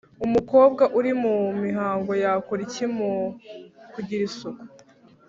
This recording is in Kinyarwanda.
Umukobwa uri mu mihango yakora iki mu kugira isuku?